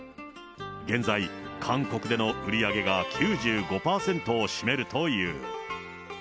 現在、韓国での売り上げが９５％を占めるという。